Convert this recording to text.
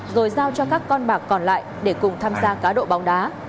rồi giao cho các con bạc còn lại để cùng tham gia cá độ bóng đá